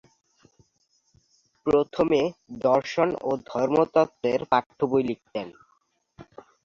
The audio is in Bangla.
প্রথমে দর্শন ও ধর্মতত্ত্বের পাঠ্যবই লিখতেন।